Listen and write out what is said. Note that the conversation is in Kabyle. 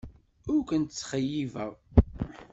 Ur ken-ttxeyyibeɣ.